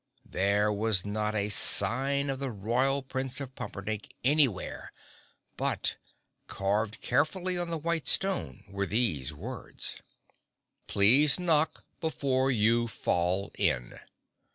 There was not a sign of the Royal Prince of Pumperdink anywhere, but carved carefully on the white stone were these words: Please Knock Before You Fall In.